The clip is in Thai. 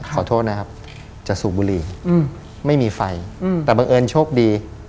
ขอโทษนะครับจะสูบบุหรี่ไม่มีไฟแต่บังเอิญโชคดี